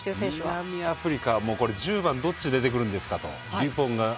南アフリカは１０番どっち出てくるんですかと。